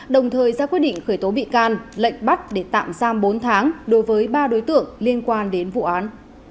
đồng thời ra quyết định khởi tố bị can lệnh bắt để tạm giam bốn tháng đối với ba đối tượng liên quan đến vụ án